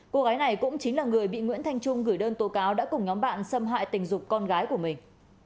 cô gái này cũng chính là người bị nguyễn thanh trung gửi đơn tố cáo đã cùng nhóm bạn xâm hại tình dục con gái của mình